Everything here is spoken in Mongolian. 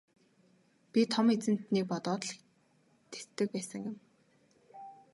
Би Том эзэнтнийг бодоод л тэсдэг байсан юм.